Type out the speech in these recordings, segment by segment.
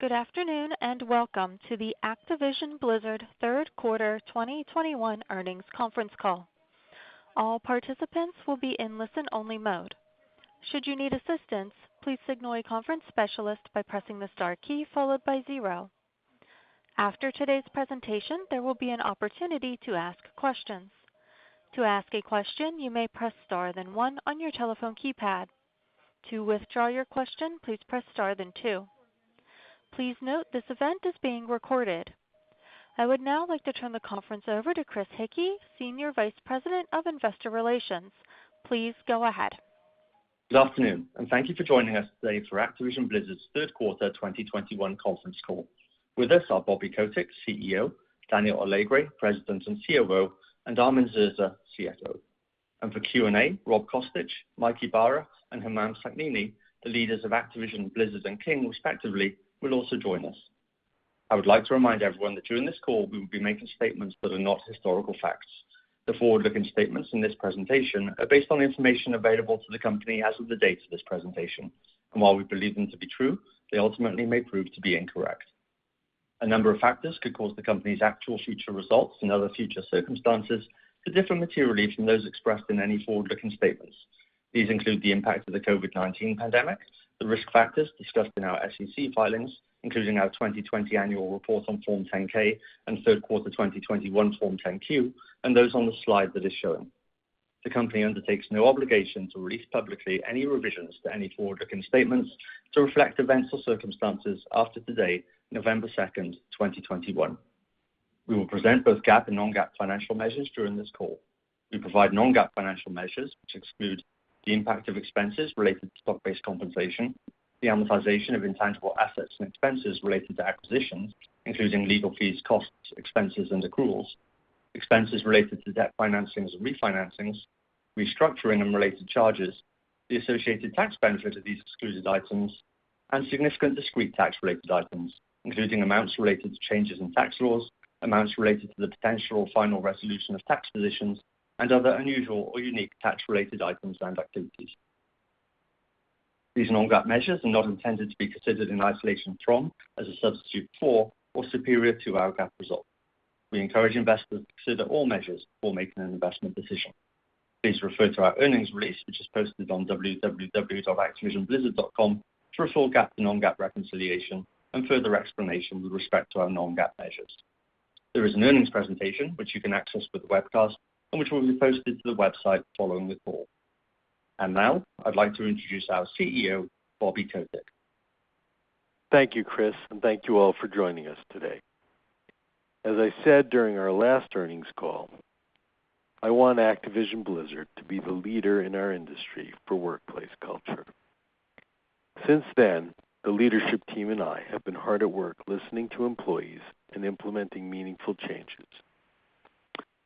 Good afternoon, and welcome to the Activision Blizzard third quarter 2021 earnings conference call. All participants will be in listen-only mode. Should you need assistance, please signal a conference specialist by pressing the star key followed by zero. After today's presentation, there will be an opportunity to ask questions. To ask a question, you may press star then one on your telephone keypad. To withdraw your question, please press star then two. Please note this event is being recorded. I would now like to turn the conference over to Chris Hickey, Senior Vice President of Investor Relations. Please go ahead. Good afternoon, and thank you for joining us today for Activision Blizzard's third quarter 2021 conference call. With us are Bobby Kotick, CEO, Daniel Alegre, President and COO, and Armin Zerza, CFO. For Q&A, Rob Kostich, Mike Ybarra, and Humam Sakhnini, the leaders of Activision Blizzard and King, respectively, will also join us. I would like to remind everyone that during this call, we will be making statements that are not historical facts. The forward-looking statements in this presentation are based on the information available to the company as of the date of this presentation, and while we believe them to be true, they ultimately may prove to be incorrect. A number of factors could cause the company's actual future results and other future circumstances to differ materially from those expressed in any forward-looking statements. These include the impact of the COVID-19 pandemic, the risk factors discussed in our SEC filings, including our 2020 Annual Report on Form 10-K and third quarter 2021 Form 10-Q, and those on the slide that is showing. The company undertakes no obligation to release publicly any revisions to any forward-looking statements to reflect events or circumstances after today, November 2, 2021. We will present both GAAP and non-GAAP financial measures during this call. We provide non-GAAP financial measures which exclude the impact of expenses related to stock-based compensation, the amortization of intangible assets and expenses related to acquisitions, including legal fees, costs, expenses and accruals, expenses related to debt financings and refinancings, restructuring and related charges, the associated tax benefit of these excluded items and significant discrete tax-related items, including amounts related to changes in tax laws, amounts related to the potential or final resolution of tax positions, and other unusual or unique tax-related items and activities. These non-GAAP measures are not intended to be considered in isolation from, as a substitute for or superior to our GAAP results. We encourage investors to consider all measures before making an investment decision. Please refer to our earnings release, which is posted on www.activisionblizzard.com for a full GAAP to non-GAAP reconciliation and further explanation with respect to our non-GAAP measures. There is an earnings presentation which you can access with the webcast and which will be posted to the website following the call. Now I'd like to introduce our CEO, Bobby Kotick. Thank you, Chris, and thank you all for joining us today. As I said during our last earnings call, I want Activision Blizzard to be the leader in our industry for workplace culture. Since then, the leadership team and I have been hard at work listening to employees and implementing meaningful changes.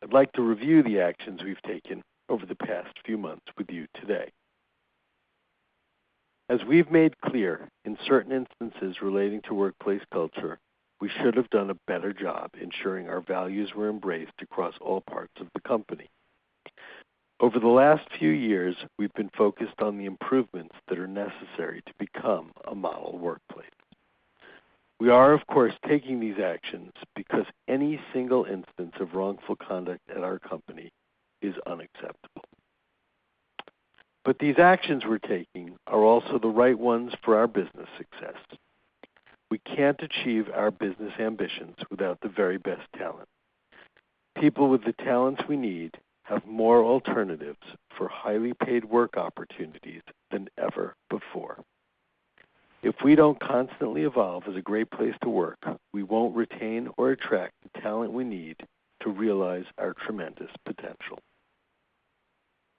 I'd like to review the actions we've taken over the past few months with you today. As we've made clear in certain instances relating to workplace culture, we should have done a better job ensuring our values were embraced across all parts of the company. Over the last few years, we've been focused on the improvements that are necessary to become a model workplace. We are of course, taking these actions because any single instance of wrongful conduct at our company is unacceptable. These actions we're taking are also the right ones for our business success. We can't achieve our business ambitions without the very best talent. People with the talents we need have more alternatives for highly paid work opportunities than ever before. If we don't constantly evolve as a great place to work, we won't retain or attract the talent we need to realize our tremendous potential.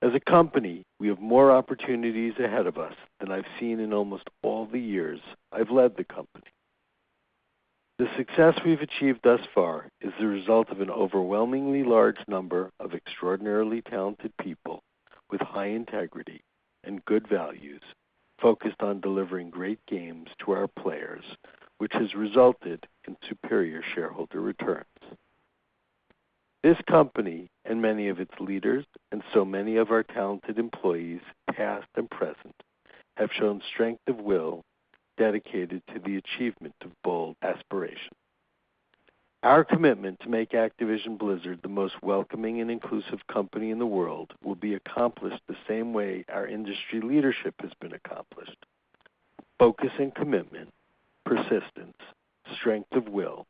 As a company, we have more opportunities ahead of us than I've seen in almost all the years I've led the company. The success we've achieved thus far is the result of an overwhelmingly large number of extraordinarily talented people with high integrity and good values focused on delivering great games to our players, which has resulted in superior shareholder returns. This company and many of its leaders and so many of our talented employees, past and present, have shown strength of will dedicated to the achievement of bold aspiration. Our commitment to make Activision Blizzard the most welcoming and inclusive company in the world will be accomplished the same way our industry leadership has been accomplished. Focus and commitment, persistence, strength of will,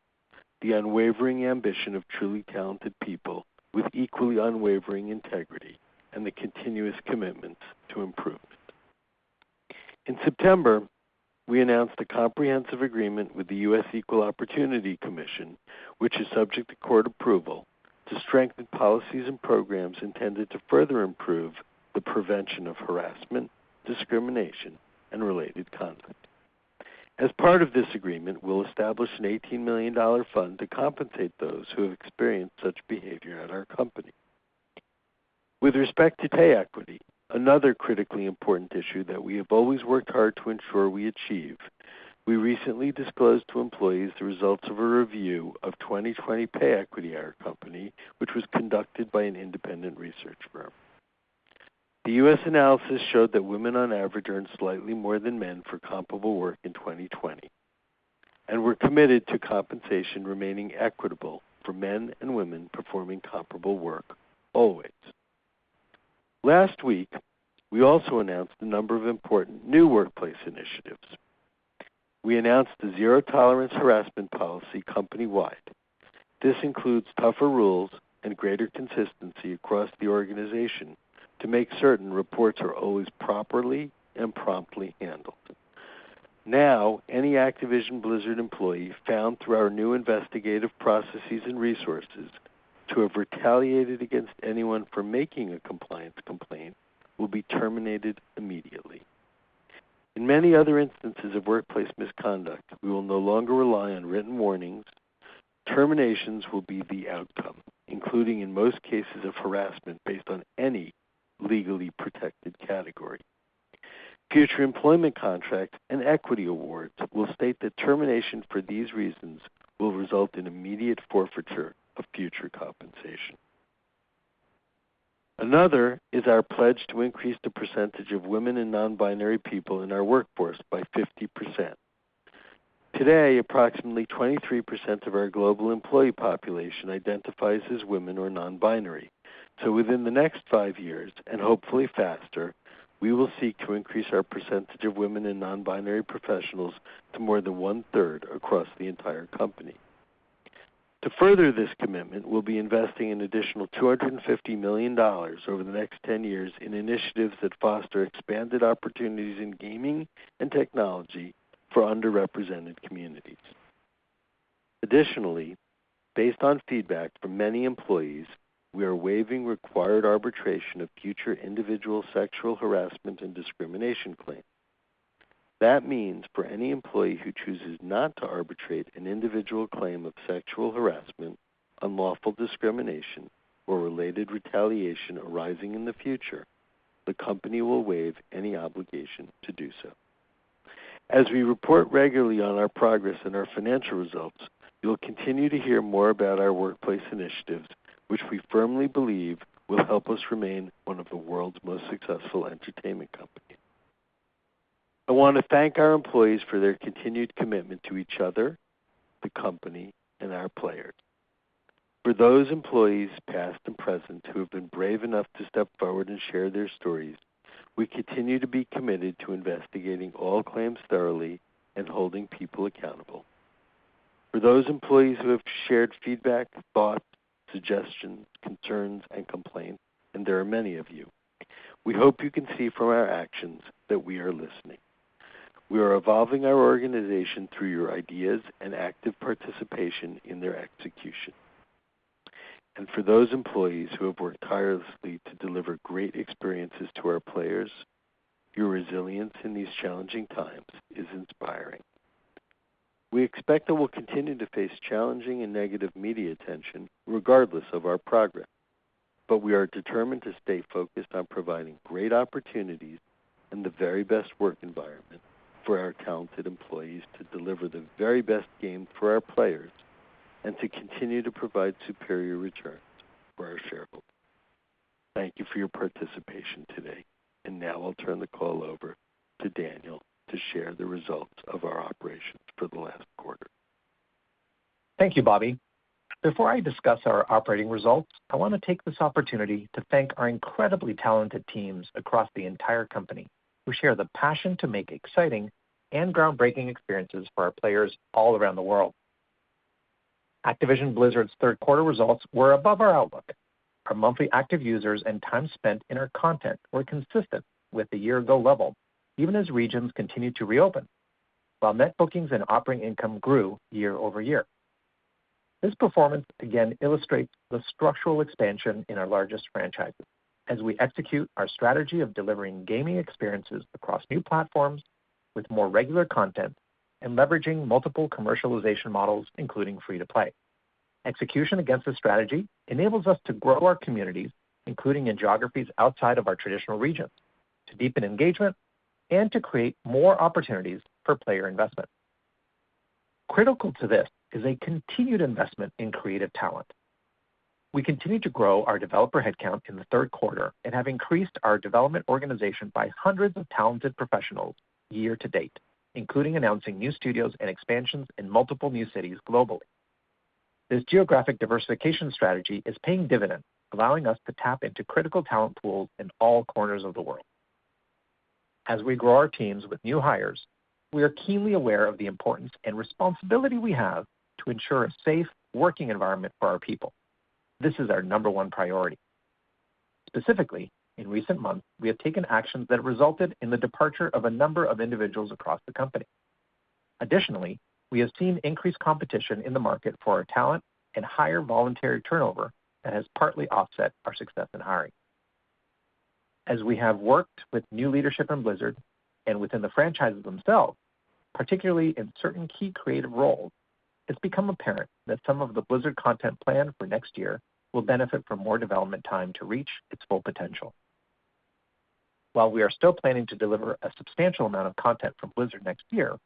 the unwavering ambition of truly talented people with equally unwavering integrity, and the continuous commitment to improvement. In September, we announced a comprehensive agreement with the U.S. Equal Employment Opportunity Commission, which is subject to court approval to strengthen policies and programs intended to further improve the prevention of harassment, discrimination, and related conduct. As part of this agreement, we'll establish an $18 million fund to compensate those who have experienced such behavior at our company. With respect to pay equity, another critically important issue that we have always worked hard to ensure we achieve, we recently disclosed to employees the results of a review of 2020 pay equity at our company, which was conducted by an independent research firm. The U.S. analysis showed that women on average earn slightly more than men for comparable work in 2020, and we're committed to compensation remaining equitable for men and women performing comparable work always. Last week, we also announced a number of important new workplace initiatives. We announced a zero-tolerance harassment policy company-wide. This includes tougher rules and greater consistency across the organization to make certain reports are always properly and promptly handled. Now, any Activision Blizzard employee found through our new investigative processes and resources to have retaliated against anyone for making a compliance complaint will be terminated immediately. In many other instances of workplace misconduct, we will no longer rely on written warnings. Terminations will be the outcome, including in most cases of harassment based on any legally protected category. Future employment contracts and equity awards will state that termination for these reasons will result in immediate forfeiture of future compensation. Another is our pledge to increase the percentage of women and non-binary people in our workforce by 50%. Today, approximately 23% of our global employee population identifies as women or non-binary. Within the next five years, and hopefully faster, we will seek to increase our percentage of women and non-binary professionals to more than 1/3 across the entire company. To further this commitment, we'll be investing an additional $250 million over the next 10 years in initiatives that foster expanded opportunities in gaming and technology for underrepresented communities. Additionally, based on feedback from many employees, we are waiving required arbitration of future individual sexual harassment and discrimination claims. That means for any employee who chooses not to arbitrate an individual claim of sexual harassment, unlawful discrimination, or related retaliation arising in the future, the company will waive any obligation to do so. As we report regularly on our progress and our financial results, you'll continue to hear more about our workplace initiatives, which we firmly believe will help us remain one of the world's most successful entertainment companies. I want to thank our employees for their continued commitment to each other, the company, and our players. For those employees, past and present, who have been brave enough to step forward and share their stories, we continue to be committed to investigating all claims thoroughly and holding people accountable. For those employees who have shared feedback, thoughts, suggestions, concerns, and complaints, and there are many of you, we hope you can see from our actions that we are listening. We are evolving our organization through your ideas and active participation in their execution. For those employees who have worked tirelessly to deliver great experiences to our players, your resilience in these challenging times is inspiring. We expect that we'll continue to face challenging and negative media attention regardless of our progress, but we are determined to stay focused on providing great opportunities and the very best work environment for our talented employees to deliver the very best games for our players and to continue to provide superior returns for our shareholders. Thank you for your participation today. Now I'll turn the call over to Daniel to share the results of our operations for the last quarter. Thank you, Bobby. Before I discuss our operating results, I want to take this opportunity to thank our incredibly talented teams across the entire company who share the passion to make exciting and groundbreaking experiences for our players all around the world. Activision Blizzard's third-quarter results were above our outlook. Our monthly active users and time spent in our content were consistent with the year-ago level, even as regions continued to reopen, while net bookings and operating income grew year over year. This performance again illustrates the structural expansion in our largest franchises as we execute our strategy of delivering gaming experiences across new platforms with more regular content and leveraging multiple commercialization models, including free-to-play. Execution against this strategy enables us to grow our communities, including in geographies outside of our traditional regions, to deepen engagement and to create more opportunities for player investment. Critical to this is a continued investment in creative talent. We continued to grow our developer headcount in the third quarter and have increased our development organization by hundreds of talented professionals year-to-date, including announcing new studios and expansions in multiple new cities globally. This geographic diversification strategy is paying dividends, allowing us to tap into critical talent pools in all corners of the world. As we grow our teams with new hires, we are keenly aware of the importance and responsibility we have to ensure a safe working environment for our people. This is our number one priority. Specifically, in recent months, we have taken actions that resulted in the departure of a number of individuals across the company. Additionally, we have seen increased competition in the market for our talent and higher voluntary turnover that has partly offset our success in hiring. As we have worked with new leadership in Blizzard and within the franchises themselves, particularly in certain key creative roles, it's become apparent that some of the Blizzard content planned for next year will benefit from more development time to reach its full potential. While we are still planning to deliver a substantial amount of content from Blizzard next year,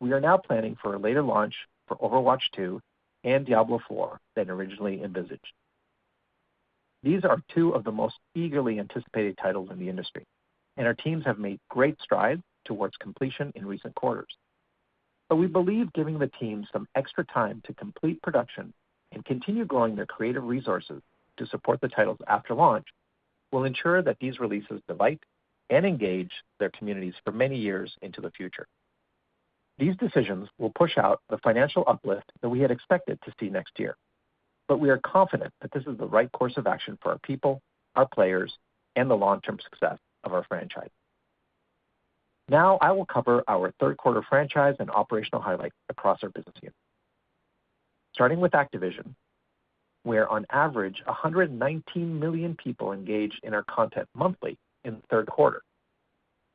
we are now planning for a later launch for Overwatch 2 and Diablo IV than originally envisaged. These are two of the most eagerly anticipated titles in the industry, and our teams have made great strides towards completion in recent quarters. We believe giving the team some extra time to complete production and continue growing their creative resources to support the titles after launch will ensure that these releases delight and engage their communities for many years into the future. These decisions will push out the financial uplift that we had expected to see next year. We are confident that this is the right course of action for our people, our players, and the long-term success of our franchise. Now I will cover our third quarter franchise and operational highlights across our business units. Starting with Activision, where on average, 119 million people engaged in our content monthly in the third quarter.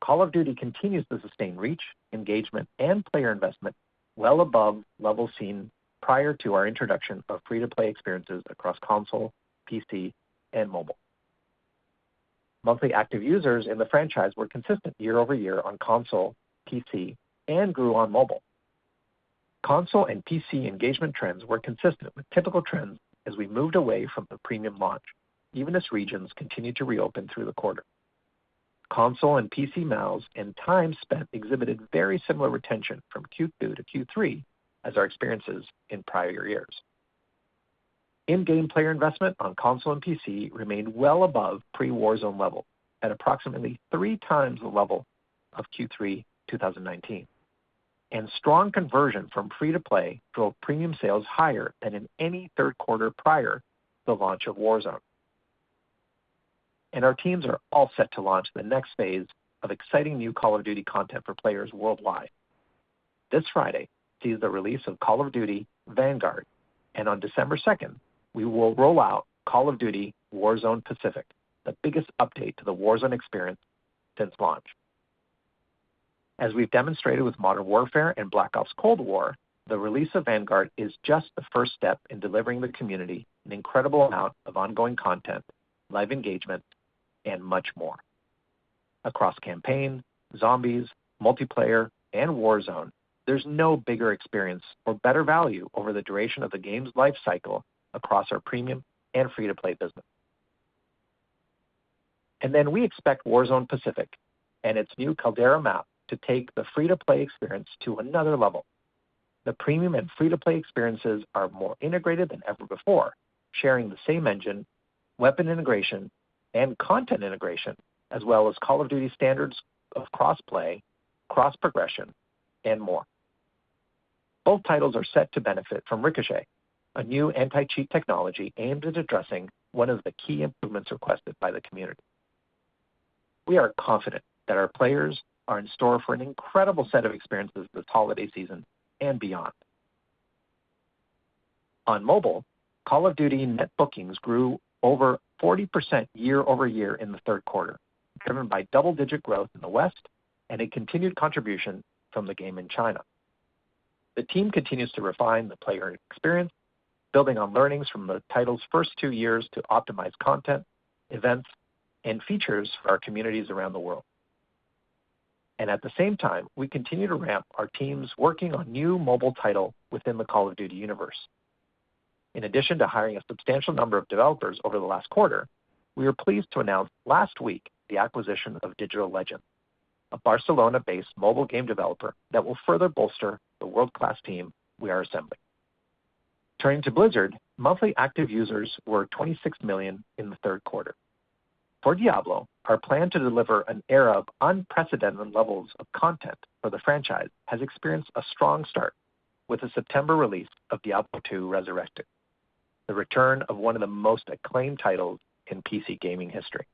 Call of Duty continues to sustain reach, engagement, and player investment well above levels seen prior to our introduction of free-to-play experiences across console, PC, and mobile. Monthly active users in the franchise were consistent year-over-year on console, PC, and grew on mobile. Console and PC engagement trends were consistent with typical trends as we moved away from the premium launch, even as regions continued to reopen through the quarter. Console and PC MAUs and time spent exhibited very similar retention from Q2 to Q3 as our experiences in prior years. In-game player investment on console and PC remained well above pre-Warzone level at approximately three times the level of Q3 2019. Strong conversion from free-to-play drove premium sales higher than in any third quarter prior to the launch of Warzone. Our teams are all set to launch the next phase of exciting new Call of Duty content for players worldwide. This Friday sees the release of Call of Duty: Vanguard, and on December 2nd, we will roll out Call of Duty: Warzone Pacific, the biggest update to the Warzone experience since launch. As we've demonstrated with Modern Warfare and Black Ops Cold War, the release of Vanguard is just the first step in delivering the community an incredible amount of ongoing content, live engagement, and much more. Across Campaign, Zombies, Multiplayer, and Warzone, there's no bigger experience or better value over the duration of the game's life cycle across our premium and free-to-play business. We expect Warzone Pacific and its new Caldera map to take the free-to-play experience to another level. The premium and free-to-play experiences are more integrated than ever before, sharing the same engine, weapon integration, and content integration, as well as Call of Duty standards of cross-play, cross-progression, and more. Both titles are set to benefit from Ricochet, a new anti-cheat technology aimed at addressing one of the key improvements requested by the community. We are confident that our players are in store for an incredible set of experiences this holiday season and beyond. On mobile, Call of Duty net bookings grew over 40% year-over-year in the third quarter, driven by double-digit growth in the West and a continued contribution from the game in China. The team continues to refine the player experience, building on learnings from the title's first two years to optimize content, events, and features for our communities around the world. At the same time, we continue to ramp our teams working on new mobile title within the Call of Duty universe. In addition to hiring a substantial number of developers over the last quarter, we are pleased to announce last week the acquisition of Digital Legends, a Barcelona-based mobile game developer that will further bolster the world-class team we are assembling. Turning to Blizzard, monthly active users were 26 million in the third quarter. For Diablo, our plan to deliver an era of unprecedented levels of content for the franchise has experienced a strong start with the September release of Diablo II: Resurrected, the return of one of the most acclaimed titles in PC gaming history.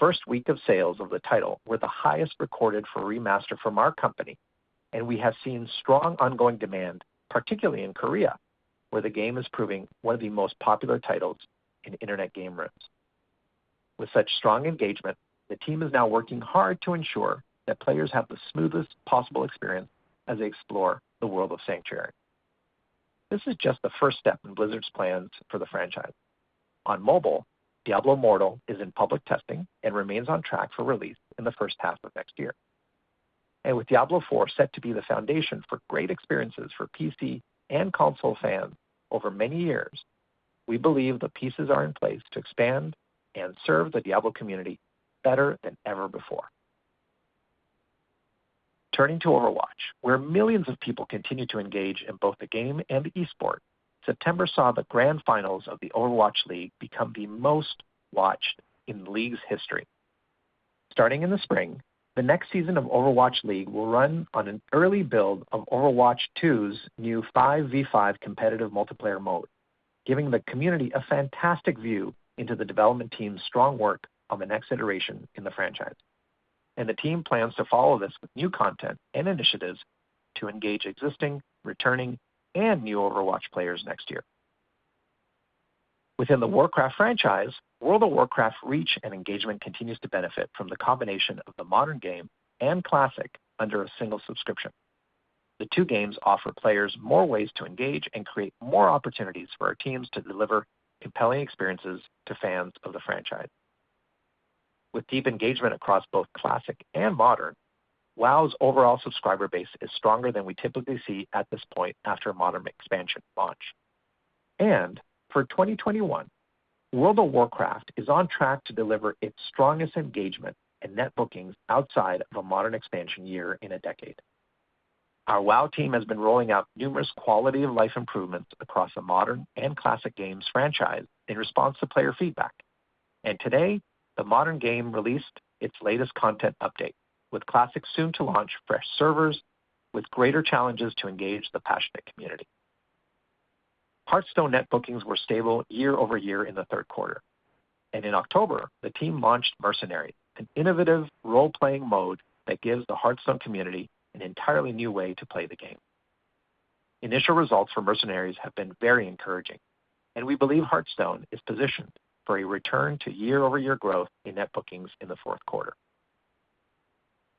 First week of sales of the title were the highest recorded for a remaster from our company, and we have seen strong ongoing demand, particularly in Korea, where the game is proving one of the most popular titles in internet game rooms. With such strong engagement, the team is now working hard to ensure that players have the smoothest possible experience as they explore the world of Sanctuary. This is just the first step in Blizzard's plans for the franchise. On mobile, Diablo Immortal is in public testing and remains on track for release in the first half of next year. With Diablo IV set to be the foundation for great experiences for PC and console fans over many years, we believe the pieces are in place to expand and serve the Diablo community better than ever before. Turning to Overwatch, where millions of people continue to engage in both the game and the esport, September saw the grand finals of the Overwatch League become the most watched in the league's history. Starting in the spring, the next season of Overwatch League will run on an early build of Overwatch 2's new 5v5 competitive multiplayer mode, giving the community a fantastic view into the development team's strong work on the next iteration in the franchise. The team plans to follow this with new content and initiatives to engage existing, returning, and new Overwatch players next year. Within the Warcraft franchise, World of Warcraft reach and engagement continues to benefit from the combination of the Modern game and Classic under a single subscription. The two games offer players more ways to engage and create more opportunities for our teams to deliver compelling experiences to fans of the franchise. With deep engagement across both Classic and Modern, WoW's overall subscriber base is stronger than we typically see at this point after a Modern expansion launch. For 2021, World of Warcraft is on track to deliver its strongest engagement and net bookings outside of a Modern expansion year in a decade. Our WoW team has been rolling out numerous quality-of-life improvements across the Modern and Classic games franchise in response to player feedback. Today, the Modern game released its latest content update, with Classic soon to launch fresh servers with greater challenges to engage the passionate community. Hearthstone net bookings were stable year-over-year in the third quarter. In October, the team launched Mercenaries, an innovative role-playing mode that gives the Hearthstone community an entirely new way to play the game. Initial results for Mercenaries have been very encouraging, and we believe Hearthstone is positioned for a return to year-over-year growth in net bookings in the fourth quarter.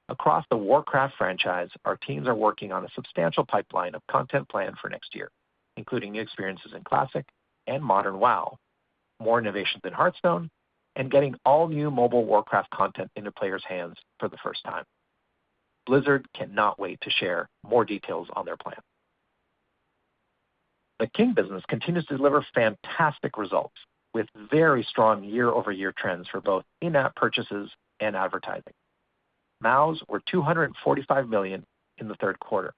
Across the Warcraft franchise, our teams are working on a substantial pipeline of content planned for next year, including new experiences in Classic and Modern WoW, more innovations in Hearthstone, and getting all new mobile Warcraft content into players' hands for the first time. Blizzard cannot wait to share more details on their plan. The King business continues to deliver fantastic results with very strong year-over-year trends for both in-app purchases and advertising. MAUs were 245 million in the third quarter.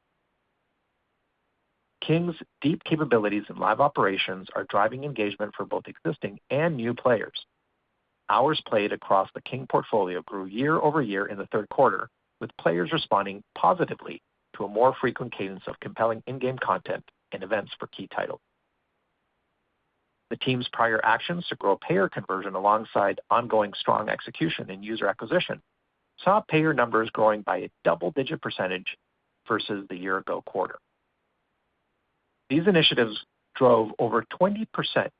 King's deep capabilities in live operations are driving engagement for both existing and new players. Hours played across the King portfolio grew year-over-year in the third quarter, with players responding positively to a more frequent cadence of compelling in-game content and events for key titles. The team's prior actions to grow payer conversion alongside ongoing strong execution and user acquisition saw payer numbers growing by a double-digit percentage versus the year-ago quarter. These initiatives drove over 20%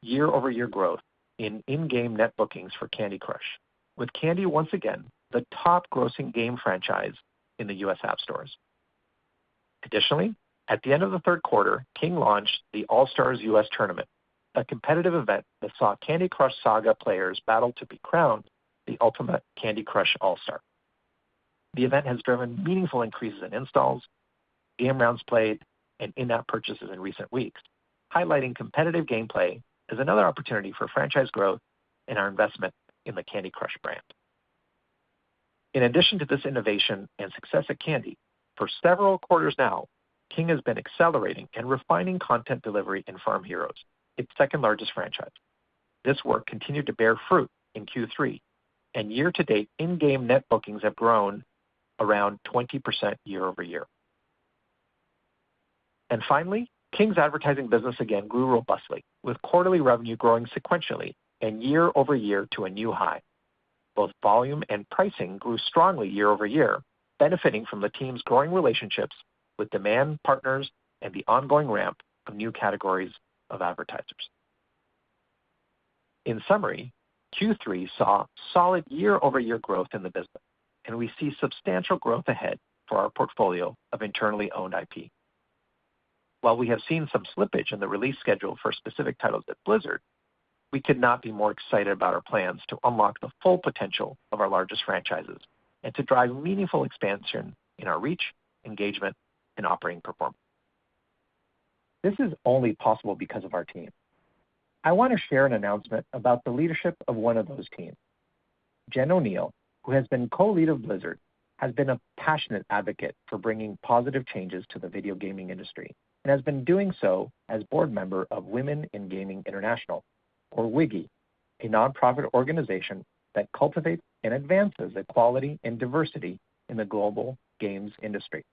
year-over-year growth in in-game net bookings for Candy Crush, with Candy once again the top grossing game franchise in the U.S. App Stores. Additionally, at the end of the third quarter, King launched the All Stars U.S. Tournament, a competitive event that saw Candy Crush Saga players battle to be crowned the ultimate Candy Crush All Star. The event has driven meaningful increases in installs, game rounds played, and in-app purchases in recent weeks, highlighting competitive gameplay as another opportunity for franchise growth and our investment in the Candy Crush brand. In addition to this innovation and success at Candy, for several quarters now, King has been accelerating and refining content delivery in Farm Heroes, its second-largest franchise. This work continued to bear fruit in Q3, and year-to-date in-game net bookings have grown around 20% year-over-year. Finally, King's advertising business again grew robustly, with quarterly revenue growing sequentially and year-over-year to a new high. Both volume and pricing grew strongly year-over-year, benefiting from the team's growing relationships with demand partners and the ongoing ramp of new categories of advertisers. In summary, Q3 saw solid year-over-year growth in the business, and we see substantial growth ahead for our portfolio of internally owned IP. While we have seen some slippage in the release schedule for specific titles at Blizzard, we could not be more excited about our plans to unlock the full potential of our largest franchises and to drive meaningful expansion in our reach, engagement, and operating performance. This is only possible because of our team. I want to share an announcement about the leadership of one of those teams. Jen Oneal, who has been co-leader of Blizzard, has been a passionate advocate for bringing positive changes to the video gaming industry and has been doing so as board member of Women in Games International, or WIGI, a nonprofit organization that cultivates and advances equality and diversity in the global games industry.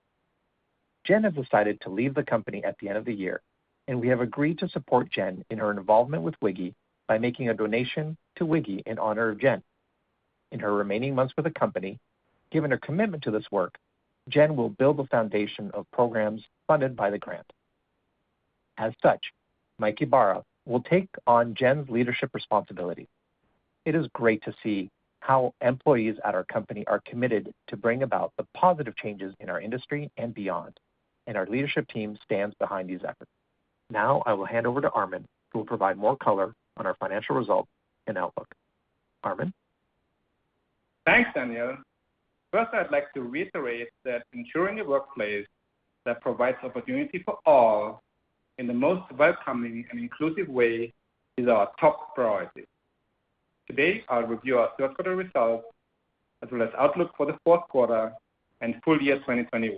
Jen has decided to leave the company at the end of the year, and we have agreed to support Jen in her involvement with WIGI by making a donation to WIGI in honor of Jen. In her remaining months with the company, given her commitment to this work, Jen will build the foundation of programs funded by the grant. As such, Mike Ybarra will take on Jen's leadership responsibility. It is great to see how employees at our company are committed to bring about the positive changes in our industry and beyond, and our leadership team stands behind these efforts. Now I will hand over to Armin, who will provide more color on our financial results and outlook. Armin? Thanks, Daniel. First, I'd like to reiterate that ensuring a workplace that provides opportunity for all in the most welcoming and inclusive way is our top priority. Today, I'll review our third-quarter results as well as outlook for the fourth quarter and full year 2021.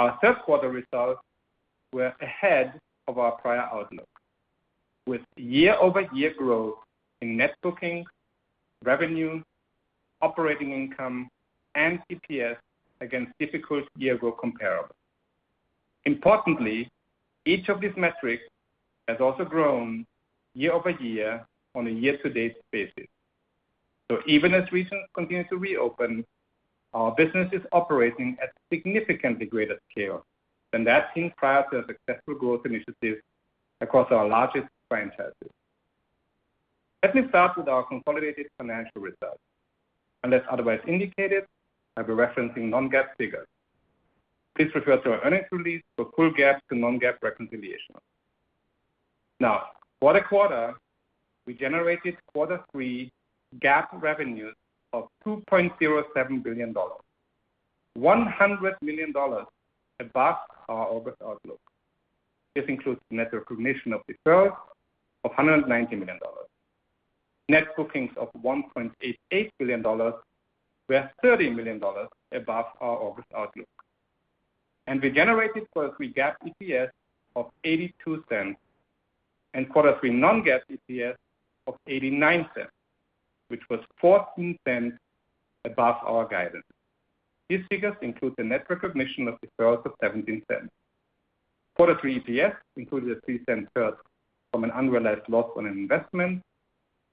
Our third-quarter results were ahead of our prior outlook, with year-over-year growth in net bookings, revenue, operating income, and EPS against difficult year-ago comparables. Importantly, each of these metrics has also grown year-over-year on a year-to-date basis. Even as regions continue to reopen, our business is operating at significantly greater scale than that seen prior to the successful growth initiative across our largest franchises. Let me start with our consolidated financial results. Unless otherwise indicated, I'll be referencing non-GAAP figures. Please refer to our earnings release for full GAAP to non-GAAP reconciliation. Now, for the quarter, we generated quarter three GAAP revenues of $2.07 billion, $100 million above our August outlook. This includes net recognition of deferred revenue of $190 million. Net bookings of $1.88 billion were $30 million above our August outlook. We generated quarter three GAAP EPS of $0.82 and quarter three non-GAAP EPS of $0.89, which was $0.14 above our guidance. These figures include the net recognition of deferred revenue of $0.17. Quarter three EPS included a $0.03 charge from an unrealized loss on an investment,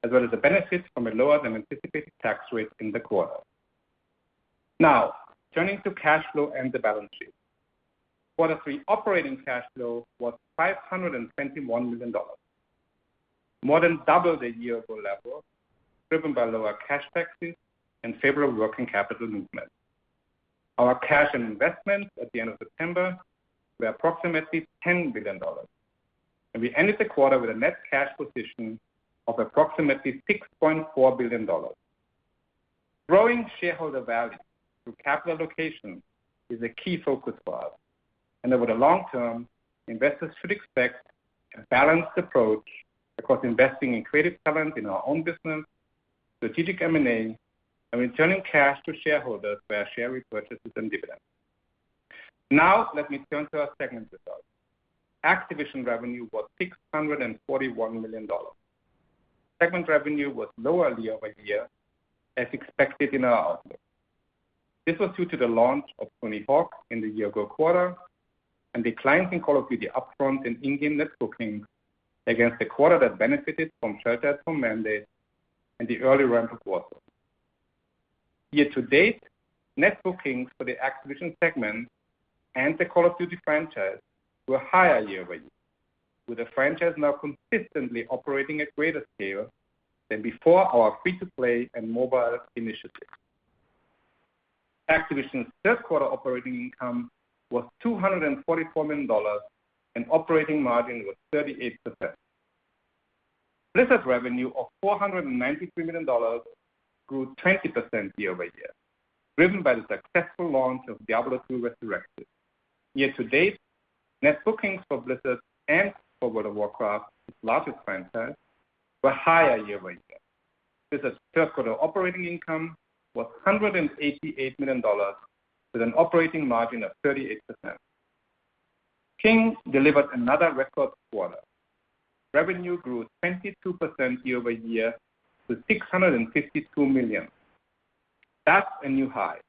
as well as the benefits from a lower than anticipated tax rate in the quarter. Now, turning to cash flow and the balance sheet. Quarter three operating cash flow was $521 million, more than double the year-ago level, driven by lower cash taxes and favorable working capital movement. Our cash and investments at the end of September were approximately $10 billion. We ended the quarter with a net cash position of approximately $6.4 billion. Growing shareholder value through capital allocation is a key focus for us. Over the long term, investors should expect a balanced approach across investing in creative talent in our own business, strategic M&A, and returning cash to shareholders via share repurchases and dividends. Now let me turn to our segment results. Activision revenue was $641 million. Segment revenue was lower year-over-year as expected in our outlook. This was due to the launch of Tony Hawk in the year-ago quarter and the decline in Call of Duty upfront and in-game net bookings against the quarter that benefited from shelter-at-home mandate and the early ramp of Warzone. Year to date, net bookings for the Activision segment and the Call of Duty franchise were higher year-to-date, with the franchise now consistently operating at greater scale than before our free-to-play and mobile initiatives. Activision's third quarter operating income was $244 million, and operating margin was 38%. Blizzard's revenue of $493 million grew 20% year-over-year, driven by the successful launch of Diablo II: Resurrected. Year to date, net bookings for Blizzard and World of Warcraft, its largest franchise, were higher year-over-year. Blizzard's third quarter operating income was $188 million, with an operating margin of 38%. King delivered another record quarter. Revenue grew 22% year-over-year to $652 million. That's a new high.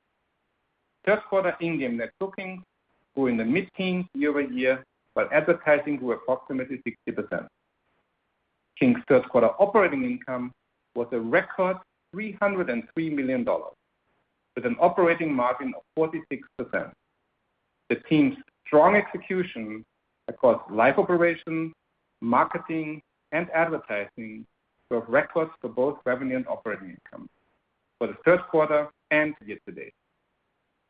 Third quarter in-game net bookings were in the mid-teens year-over-year, while advertising grew approximately 60%. King's third quarter operating income was a record $303 million, with an operating margin of 46%. The team's strong execution across live operations, marketing, and advertising drove records for both revenue and operating income for the third quarter and year-to-date.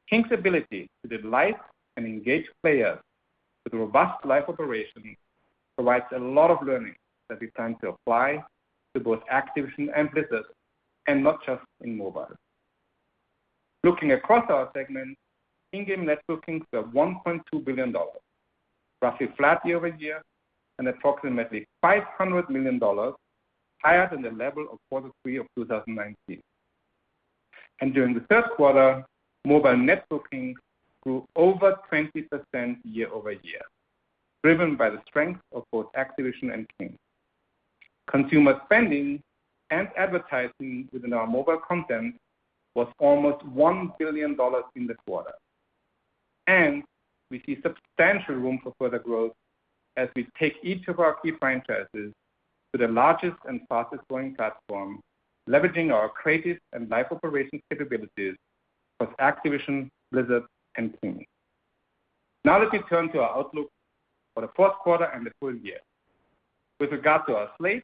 King's ability to delight and engage players with robust live operations provides a lot of learnings that we're trying to apply to both Activision and Blizzard, and not just in mobile. Looking across our segments, in-game net bookings of $1.2 billion, roughly flat year-over-year, and approximately $500 million higher than the level of quarter three of 2019. During the third quarter, mobile net bookings grew over 20% year-over-year, driven by the strength of both Activision and King. Consumer spending and advertising within our mobile content was almost $1 billion in the quarter. We see substantial room for further growth as we take each of our key franchises to the largest and fastest growing platform, leveraging our creative and live operations capabilities across Activision, Blizzard, and King. Now let me turn to our outlook for the fourth quarter and the full year. With regard to our slate,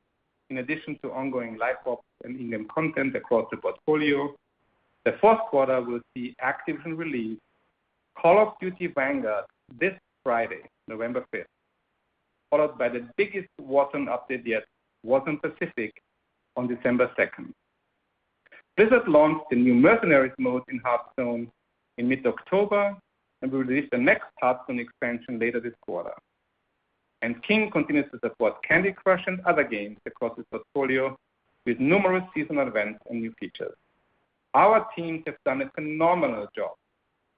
in addition to ongoing live ops and in-game content across the portfolio, the fourth quarter will see Activision release Call of Duty: Vanguard this Friday, November 5th, followed by the biggest Warzone update yet, Warzone Pacific, on December 2nd. Blizzard launched the new Mercenaries mode in Hearthstone in mid-October and will release the next Hearthstone expansion later this quarter. King continues to support Candy Crush and other games across its portfolio with numerous seasonal events and new features. Our teams have done a phenomenal job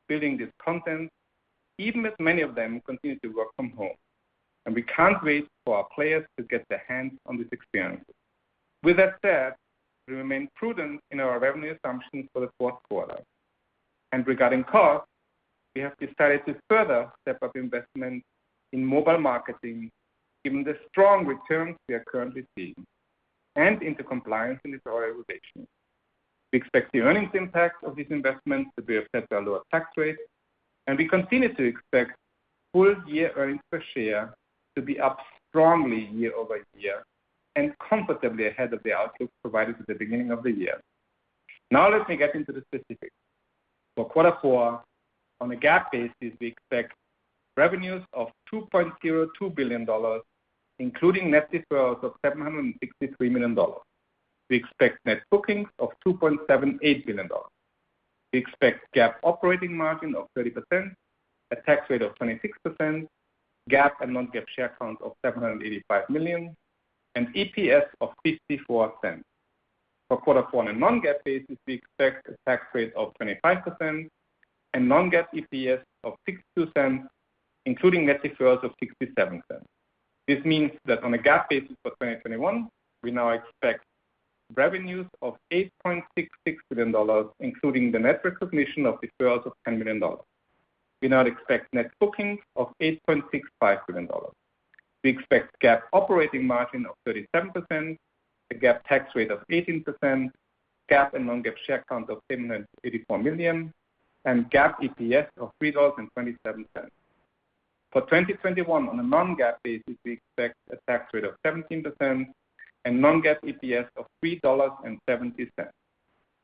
building this content, even as many of them continue to work from home, and we can't wait for our players to get their hands on these experiences. With that said, we remain prudent in our revenue assumptions for the fourth quarter. Regarding costs, we have decided to further step up investment in mobile marketing, given the strong returns we are currently seeing, and into compliance and historical obligations. We expect the earnings impact of these investments to be offset by a lower tax rate, and we continue to expect full-year earnings per share to be up strongly year-over-year and comfortably ahead of the outlook provided at the beginning of the year. Now let me get into the specifics. For quarter four, on a GAAP basis, we expect revenues of $2.02 billion, including net deferrals of $763 million. We expect net bookings of $2.78 billion. We expect GAAP operating margin of 30%, a tax rate of 26%, GAAP and non-GAAP share count of 785 million, and EPS of $0.54. For quarter four, on a non-GAAP basis, we expect a tax rate of 25% and non-GAAP EPS of $0.62, including net deferrals of $0.67. This means that on a GAAP basis for 2021, we now expect revenues of $8.66 billion, including the net recognition of deferrals of $10 million. We now expect net bookings of $8.65 billion. We expect GAAP operating margin of 37%, a GAAP tax rate of 18%, GAAP and non-GAAP share count of 784 million, and GAAP EPS of $3.27. For 2021, on a non-GAAP basis, we expect a tax rate of 17% and non-GAAP EPS of $3.70,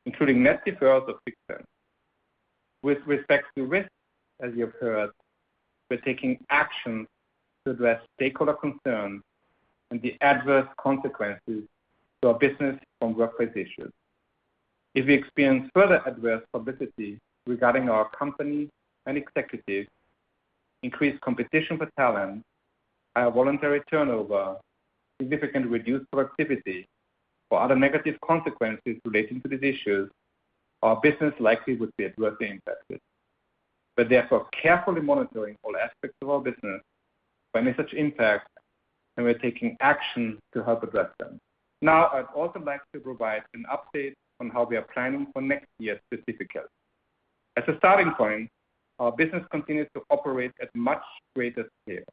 including net deferrals of $0.06. With respect to risks, as you've heard, we're taking action to address stakeholder concerns and the adverse consequences to our business from workplace issues. If we experience further adverse publicity regarding our company and executives, increased competition for talent, higher voluntary turnover, significant reduced productivity, or other negative consequences relating to these issues, our business likely would be adversely impacted. We're therefore carefully monitoring all aspects of our business for any such impact, and we're taking action to help address them. Now, I'd also like to provide an update on how we are planning for next year specifically. As a starting point, our business continues to operate at much greater scale,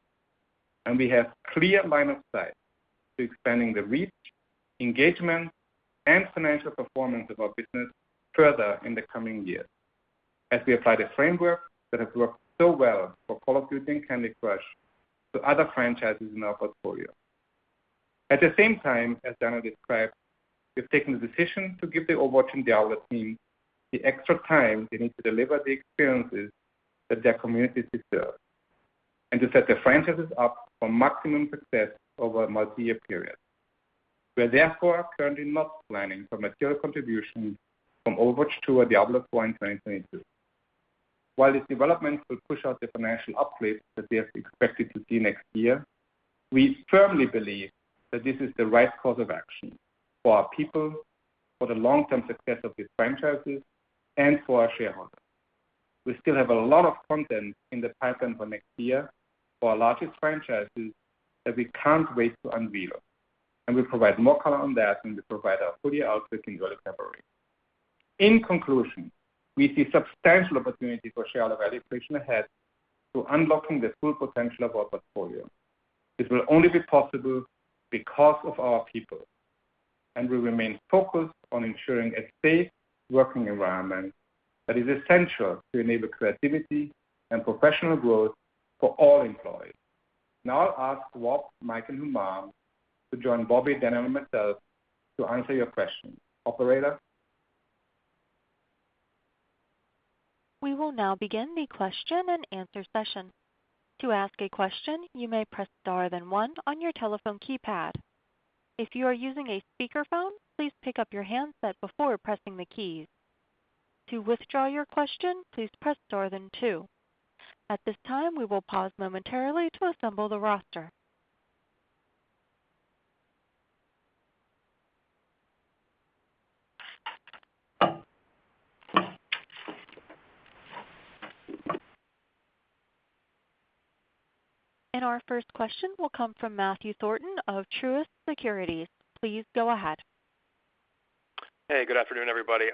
and we have clear line of sight to expanding the reach, engagement, and financial performance of our business further in the coming years as we apply the framework that has worked so well for Call of Duty and Candy Crush to other franchises in our portfolio. At the same time, as Daniel described, we've taken the decision to give the Overwatch and Diablo team the extra time they need to deliver the experiences that their communities deserve and to set the franchises up for maximum success over a multi-year period. We are therefore currently not planning for material contribution from Overwatch 2 or Diablo IV in 2022. While these developments will push out the financial uplift that we have expected to see next year, we firmly believe that this is the right course of action for our people, for the long-term success of these franchises, and for our shareholders. We still have a lot of content in the pipeline for next year for our largest franchises that we can't wait to unveil, and we'll provide more color on that when we provide our full-year outlook in early February. In conclusion, we see substantial opportunity for shareholder value creation ahead through unlocking the full potential of our portfolio. This will only be possible because of our people, and we remain focused on ensuring a safe working environment that is essential to enable creativity and professional growth for all employees. Now I'll ask Rob, Mike, and Humam to join Bobby, Daniel, and myself to answer your questions. Operator? We will now begin the question-and-answer session. To ask a question, you may press star then one on your telephone keypad. If you are using a speakerphone, please pick up your handset before pressing the keys. To withdraw your question, please press star then two. At this time, we will pause momentarily to assemble the roster. Our first question will come from Matthew Thornton of Truist Securities. Please go ahead. Hey, good afternoon, everybody.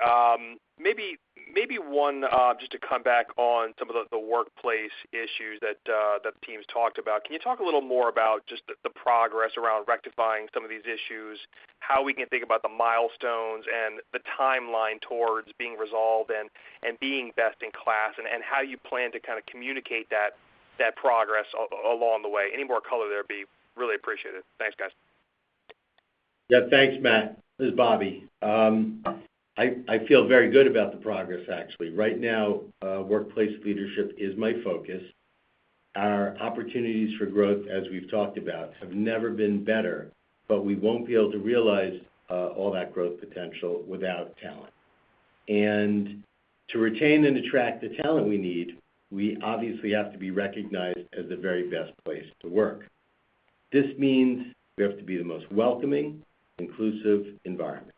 Maybe one just to come back on some of the workplace issues that the teams talked about. Can you talk a little more about just the progress around rectifying some of these issues, how we can think about the milestones and the timeline towards being resolved and being best in class, and how you plan to kinda communicate that progress along the way? Any more color there would be really appreciated. Thanks, guys. Yeah, thanks, Matt. This is Bobby. I feel very good about the progress actually. Right now, workplace leadership is my focus. Our opportunities for growth, as we've talked about, have never been better, but we won't be able to realize all that growth potential without talent. To retain and attract the talent we need, we obviously have to be recognized as the very best place to work. This means we have to be the most welcoming, inclusive environment,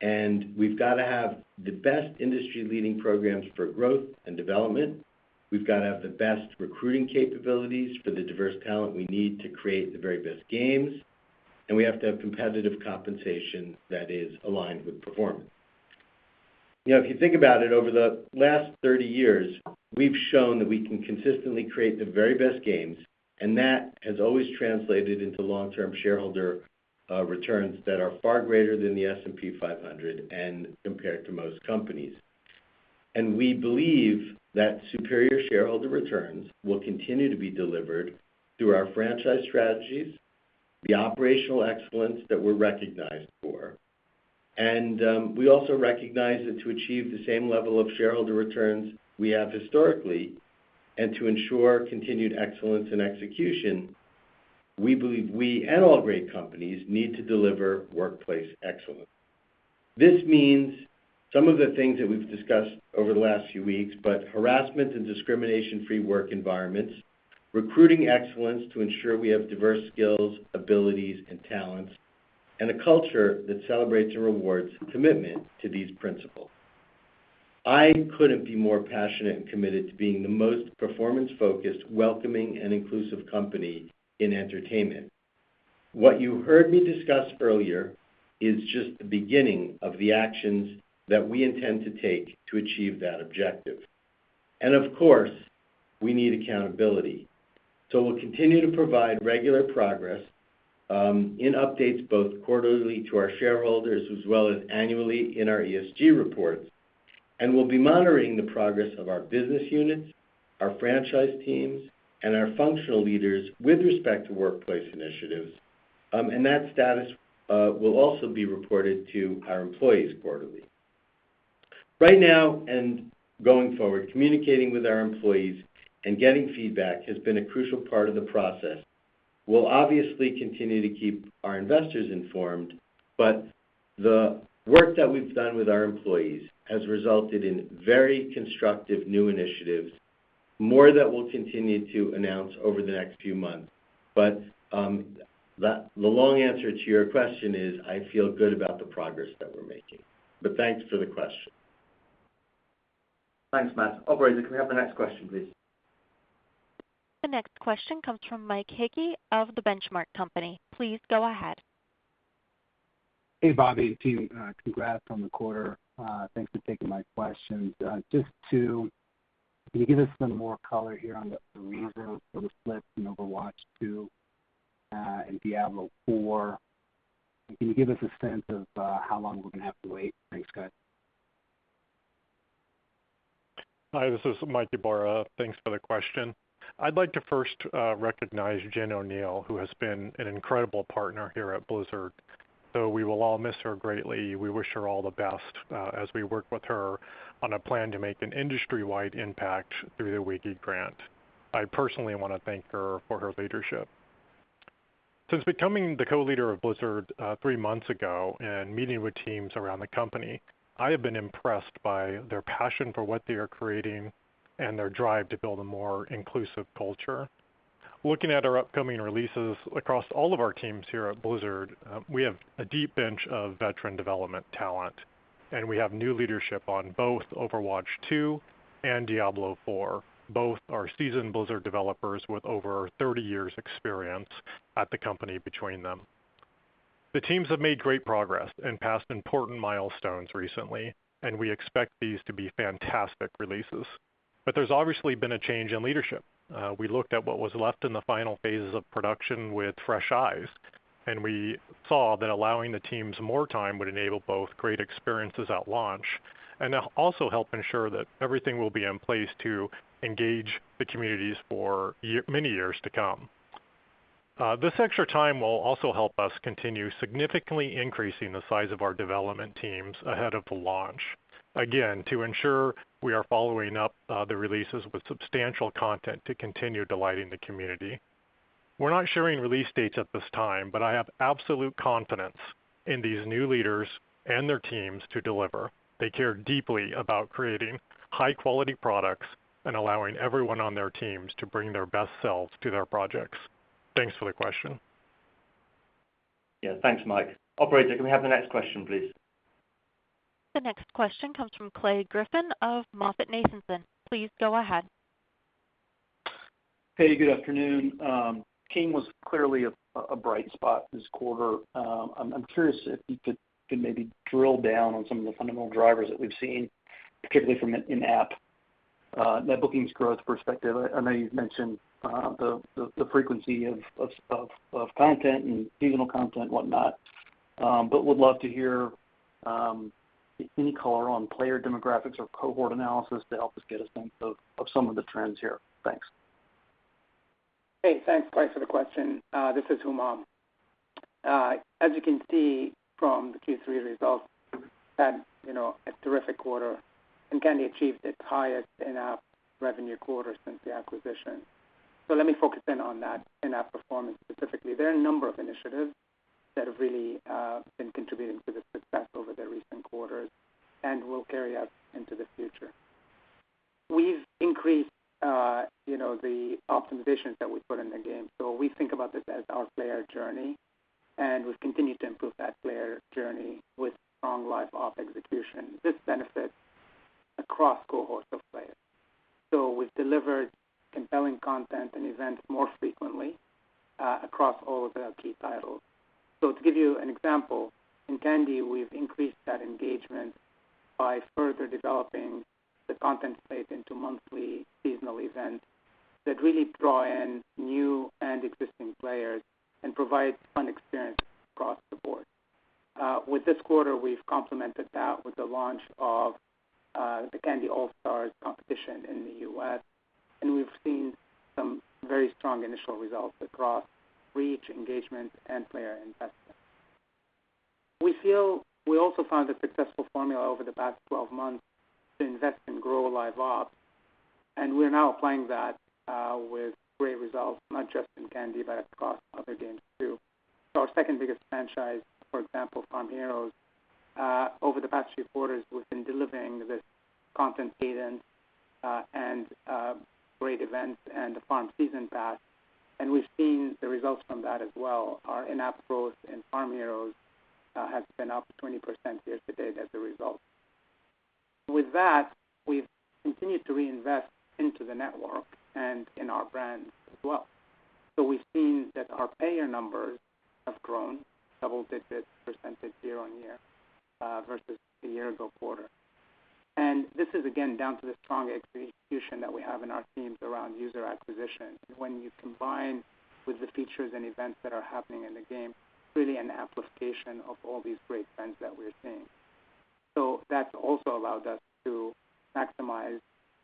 and we've got to have the best industry-leading programs for growth and development. We've got to have the best recruiting capabilities for the diverse talent we need to create the very best games, and we have to have competitive compensation that is aligned with performance. You know, if you think about it, over the last 30 years, we've shown that we can consistently create the very best games, and that has always translated into long-term shareholder returns that are far greater than the S&P 500 and compared to most companies. We believe that superior shareholder returns will continue to be delivered through our franchise strategies, the operational excellence that we're recognized for. We also recognize that to achieve the same level of shareholder returns we have historically and to ensure continued excellence and execution, we believe we and all great companies need to deliver workplace excellence. This means some of the things that we've discussed over the last few weeks, but harassment and discrimination-free work environments, recruiting excellence to ensure we have diverse skills, abilities, and talents, and a culture that celebrates and rewards commitment to these principles. I couldn't be more passionate and committed to being the most performance-focused, welcoming, and inclusive company in entertainment. What you heard me discuss earlier is just the beginning of the actions that we intend to take to achieve that objective. Of course, we need accountability. We'll continue to provide regular progress in updates both quarterly to our shareholders as well as annually in our ESG reports. We'll be monitoring the progress of our business units, our franchise teams, and our functional leaders with respect to workplace initiatives, and that status will also be reported to our employees quarterly. Right now and going forward, communicating with our employees and getting feedback has been a crucial part of the process. We'll obviously continue to keep our investors informed, but the work that we've done with our employees has resulted in very constructive new initiatives, more that we'll continue to announce over the next few months. The long answer to your question is, I feel good about the progress that we're making. Thanks for the question. Thanks, Matt. Operator, can we have the next question, please? The next question comes from Mike Hickey of The Benchmark Company. Please go ahead. Hey, Bobby. Team, congrats on the quarter. Thanks for taking my questions. Can you give us some more color here on the releases for the split in Overwatch 2 and Diablo IV? Can you give us a sense of how long we're gonna have to wait? Thanks, guys. Hi, this is Mike Ybarra. Thanks for the question. I'd like to first recognize Jen Oneal, who has been an incredible partner here at Blizzard. We will all miss her greatly. We wish her all the best as we work with her on a plan to make an industry-wide impact through the WIGI grant. I personally wanna thank her for her leadership. Since becoming the co-leader of Blizzard three months ago and meeting with teams around the company, I have been impressed by their passion for what they are creating and their drive to build a more inclusive culture. Looking at our upcoming releases across all of our teams here at Blizzard, we have a deep bench of veteran development talent, and we have new leadership on both Overwatch 2 and Diablo IV. Both are seasoned Blizzard developers with over 30 years experience at the company between them. The teams have made great progress and passed important milestones recently, and we expect these to be fantastic releases. There's obviously been a change in leadership. We looked at what was left in the final phases of production with fresh eyes, and we saw that allowing the teams more time would enable both great experiences at launch and also help ensure that everything will be in place to engage the communities for many years to come. This extra time will also help us continue significantly increasing the size of our development teams ahead of the launch, again, to ensure we are following up the releases with substantial content to continue delighting the community. We're not sharing release dates at this time, but I have absolute confidence in these new leaders and their teams to deliver. They care deeply about creating high-quality products and allowing everyone on their teams to bring their best selves to their projects. Thanks for the question. Yeah. Thanks, Mike. Operator, can we have the next question, please? The next question comes from Clay Griffin of MoffettNathanson. Please go ahead. Hey, good afternoon. King was clearly a bright spot this quarter. I'm curious if you could maybe drill down on some of the fundamental drivers that we've seen, particularly from an in-app net bookings growth perspective. I know you've mentioned the frequency of content and seasonal content and whatnot, but would love to hear any color on player demographics or cohort analysis to help us get a sense of some of the trends here. Thanks. Hey, thanks, Clay, for the question. This is Humam. As you can see from the Q3 results, we've had, you know, a terrific quarter and Candy achieved its highest in-app revenue quarter since the acquisition. Let me focus in on that in-app performance specifically. There are a number of initiatives that have really been contributing to the success over the recent quarters and will carry us into the future. We've increased, you know, the optimizations that we put in the game. We think about this as our player journey, and we've continued to improve that player journey with strong live-op execution. This benefits across cohorts of players. We've delivered compelling content and events more frequently, across all of our key titles. To give you an example, in Candy, we've increased that engagement by further developing the content slate into monthly seasonal events that really draw in new and existing players and provide fun experiences across the board. With this quarter, we've complemented that with the launch of the Candy All-Stars competition in the U.S., and we've seen some very strong initial results across reach, engagement, and player investment. We feel we also found a successful formula over the past 12 months to invest and grow live ops, and we're now applying that with great results, not just in Candy, but across other games too. Our second-biggest franchise, for example, Farm Heroes, over the past three quarters, we've been delivering this content cadence and great events and the Farm Season Pass, and we've seen the results from that as well. Our in-app growth in Farm Heroes has been up 20% year-to-date as a result. With that, we've continued to reinvest into the network and in our brands as well. We've seen that our payer numbers have grown double-digit percentage year-on-year versus a year-ago quarter. This is, again, down to the strong execution that we have in our teams around user acquisition. When you combine with the features and events that are happening in the game, it's really an amplification of all these great trends that we're seeing. That's also allowed us to maximize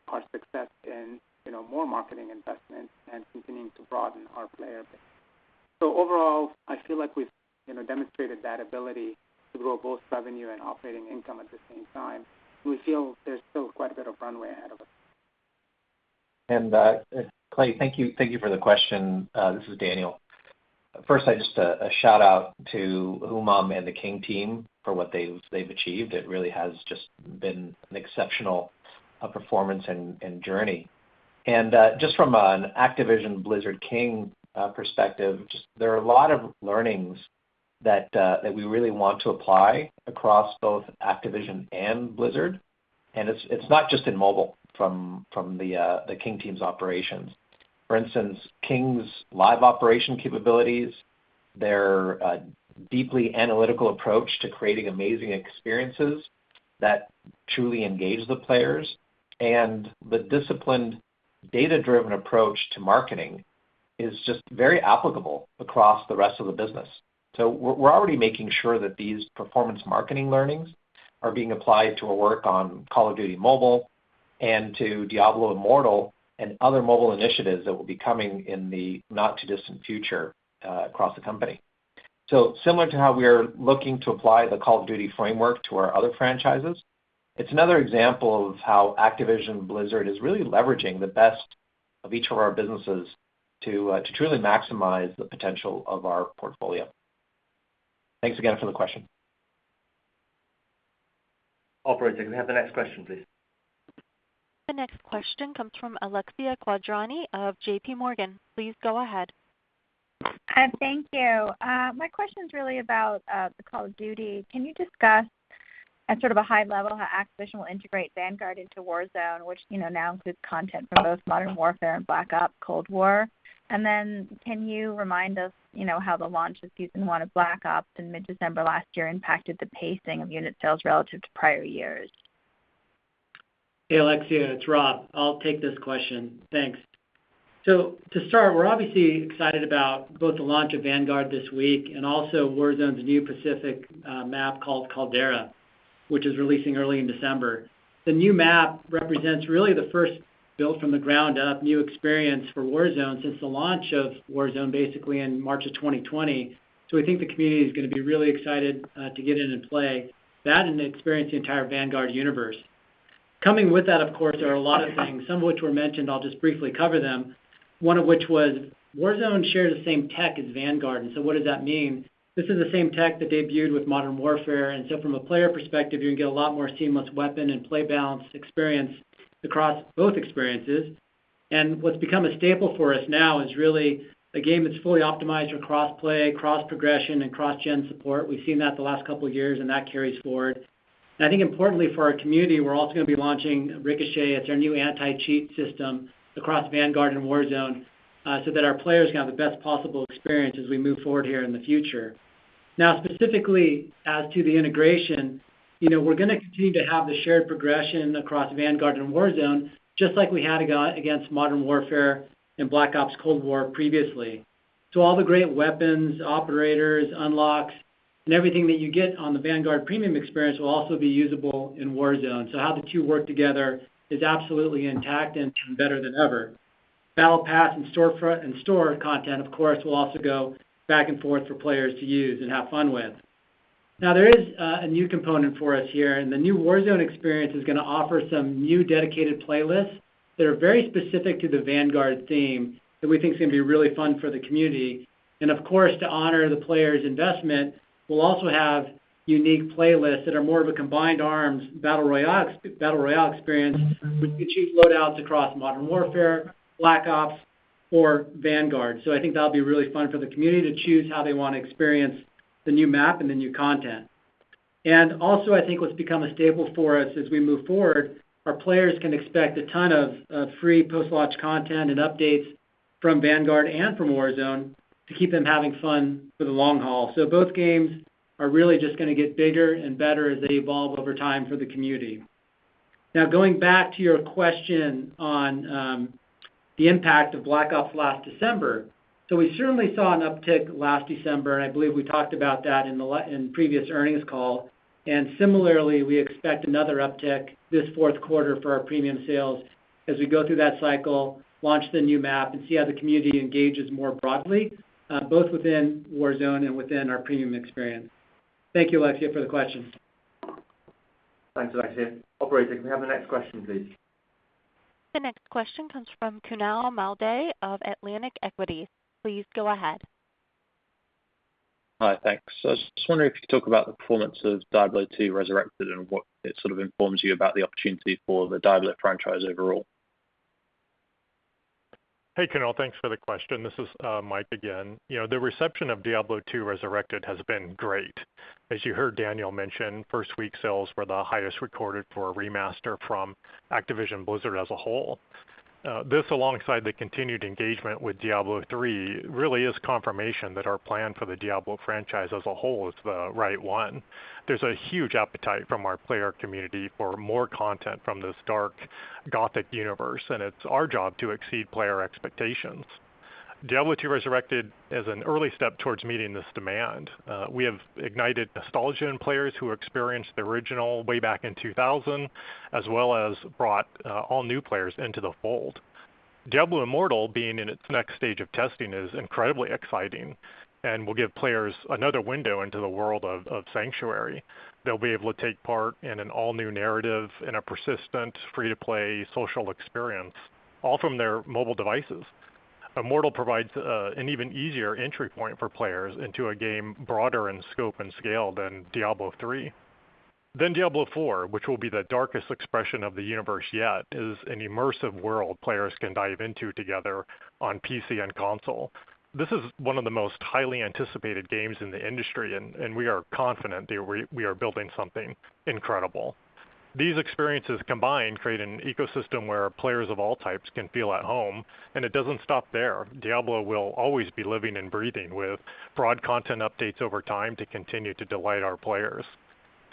our success in, you know, more marketing investments and continuing to broaden our player base. Overall, I feel like we've, you know, demonstrated that ability to grow both revenue and operating income at the same time. We feel there's still quite a bit of runway ahead of us. Clay, thank you for the question. This is Daniel. First, I just a shout-out to Humam and the King team for what they've achieved. It really has just been an exceptional performance and journey. Just from an Activision Blizzard King perspective, just there are a lot of learnings that we really want to apply across both Activision and Blizzard, and it's not just in mobile from the King team's operations. For instance, King's live operation capabilities, their deeply analytical approach to creating amazing experiences that truly engage the players, and the disciplined data-driven approach to marketing is just very applicable across the rest of the business. We're already making sure that these performance marketing learnings are being applied to our work on Call of Duty Mobile and to Diablo Immortal and other mobile initiatives that will be coming in the not-too-distant future, across the company. Similar to how we are looking to apply the Call of Duty framework to our other franchises, it's another example of how Activision Blizzard is really leveraging the best of each of our businesses to truly maximize the potential of our portfolio. Thanks again for the question. Operator, can we have the next question, please? The next question comes from Alexia Quadrani of JPMorgan. Please go ahead. Hi. Thank you. My question's really about the Call of Duty. Can you discuss at sort of a high level how Activision will integrate Vanguard into Warzone, which, you know, now includes content from both Modern Warfare and Black Ops Cold War? Can you remind us, you know, how the launch of season one of Black Ops in mid-December last year impacted the pacing of unit sales relative to prior years? Hey, Alexia, it's Rob. I'll take this question. Thanks. To start, we're obviously excited about both the launch of Vanguard this week and also Warzone's new Pacific map called Caldera, which is releasing early in December. The new map represents really the first built-from-the-ground-up new experience for Warzone since the launch of Warzone basically in March of 2020. We think the community is gonna be really excited to get in and play that and experience the entire Vanguard universe. Coming with that, of course, are a lot of things, some of which were mentioned. I'll just briefly cover them, one of which was Warzone shares the same tech as Vanguard. What does that mean? This is the same tech that debuted with Modern Warfare, and so from a player perspective, you're gonna get a lot more seamless weapon and play balance experience across both experiences. What's become a staple for us now is really a game that's fully optimized for cross-play, cross-progression, and cross-gen support. We've seen that the last couple years, and that carries forward. I think importantly for our community, we're also gonna be launching Ricochet. It's our new anti-cheat system across Vanguard and Warzone, so that our players can have the best possible experience as we move forward here in the future. Now, specifically as to the integration, you know, we're gonna continue to have the shared progression across Vanguard and Warzone, just like we had with Modern Warfare and Black Ops Cold War previously. All the great weapons, operators, unlocks, and everything that you get on the Vanguard premium experience will also be usable in Warzone. How the two work together is absolutely intact and better than ever. Battle Pass and store content, of course, will also go back and forth for players to use and have fun with. Now, there is a new component for us here, and the new Warzone experience is gonna offer some new dedicated playlists that are very specific to the Vanguard theme that we think is gonna be really fun for the community. Of course, to honor the players' investment, we'll also have unique playlists that are more of a combined arms battle royale experience with the chief load-outs across Modern Warfare, Black Ops, or Vanguard. I think that'll be really fun for the community to choose how they want to experience the new map and the new content. I think what's become a staple for us as we move forward, our players can expect a ton of free post-launch content and updates from Vanguard and from Warzone to keep them having fun for the long haul. Both games are really just gonna get bigger and better as they evolve over time for the community. Now, going back to your question on the impact of Black Ops last December, we certainly saw an uptick last December, and I believe we talked about that in previous earnings call. Similarly, we expect another uptick this fourth quarter for our premium sales as we go through that cycle, launch the new map, and see how the community engages more broadly, both within Warzone and within our premium experience. Thank you, Alexia, for the question. Thanks, Alexia. Operator, can we have the next question, please? The next question comes from Kunaal Malde of Atlantic Equities. Please go ahead. Hi, thanks. I was just wondering if you could talk about the performance of Diablo II: Resurrected and what it sort of informs you about the opportunity for the Diablo franchise overall? Hey, Kunaal. Thanks for the question. This is Mike again. You know, the reception of Diablo II: Resurrected has been great. As you heard Daniel mention, first week sales were the highest recorded for a remaster from Activision Blizzard as a whole. This alongside the continued engagement with Diablo III really is confirmation that our plan for the Diablo franchise as a whole is the right one. There's a huge appetite from our player community for more content from this dark, Gothic universe, and it's our job to exceed player expectations. Diablo II: Resurrected is an early step towards meeting this demand. We have ignited nostalgia in players who experienced the original way back in 2000, as well as brought all new players into the fold. Diablo Immortal being in its next stage of testing is incredibly exciting and will give players another window into the world of Sanctuary. They'll be able to take part in an all-new narrative in a persistent, free-to-play social experience, all from their mobile devices. Immortal provides an even easier entry point for players into a game broader in scope and scale than Diablo III. Diablo IV, which will be the darkest expression of the universe yet, is an immersive world players can dive into together on PC and console. This is one of the most highly anticipated games in the industry, and we are confident that we are building something incredible. These experiences combined create an ecosystem where players of all types can feel at home, and it doesn't stop there. Diablo will always be living and breathing with broad content updates over time to continue to delight our players.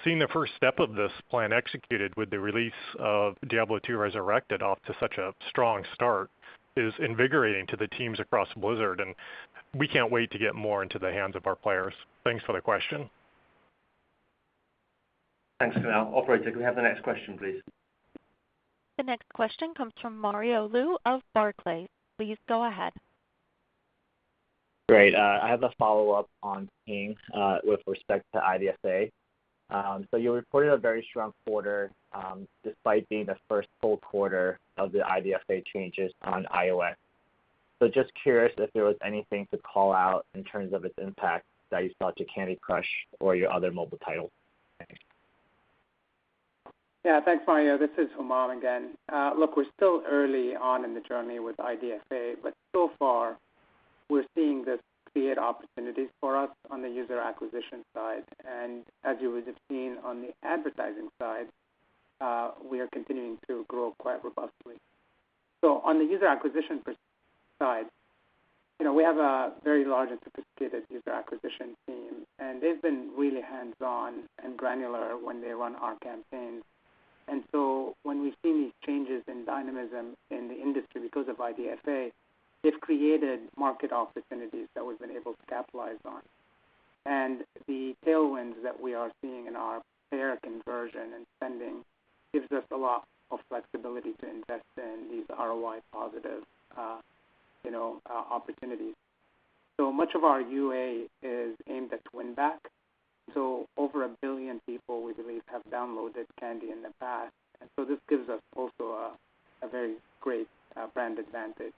Seeing the first step of this plan executed with the release of Diablo II: Resurrected off to such a strong start is invigorating to the teams across Blizzard, and we can't wait to get more into the hands of our players. Thanks for the question. Thanks, Kunaal. Operator, can we have the next question, please? The next question comes from Mario Lu of Barclays. Please go ahead. Great. I have a follow-up on King with respect to IDFA. You reported a very strong quarter despite being the first full quarter of the IDFA changes on iOS. Just curious if there was anything to call out in terms of its impact that you saw to Candy Crush or your other mobile titles? Thanks. Yeah. Thanks, Mario. This is Humam again. Look, we're still early on in the journey with IDFA, but so far, we're seeing this create opportunities for us on the user acquisition side. As you would have seen on the advertising side, we are continuing to grow quite robustly. On the user acquisition side, you know, we have a very large and sophisticated user acquisition team, and they've been really hands-on and granular when they run our campaigns. When we see these changes in dynamism in the industry because of IDFA, it created market opportunities that we've been able to capitalize on. The tailwinds that we are seeing in our player conversion and spending gives us a lot of flexibility to invest in these ROI-positive, you know, opportunities. Much of our UA is aimed at win-back. Over 1 billion people, we believe, have downloaded Candy in the past. This gives us also a very great brand advantage.